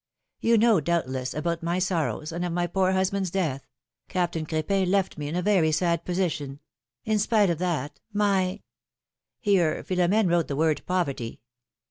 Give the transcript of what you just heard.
You know, doubtless, about my sorrows, and of my poor husband's death ; Captain Crdpin left me in a very sad position ; in spite of that, philomI:xe's marriages. 61 Here Philom^nc wrote the word poverty.